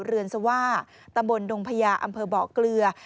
เรือนสว่าตำบลดงพญาอำเภอบ่อเกลือ